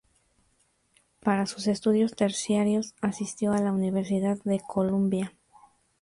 Para sus estudios terciarios asistió a la Universidad de Columbia.